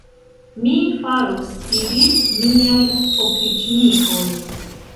Mi faros ilin miaj opriĉnikoj!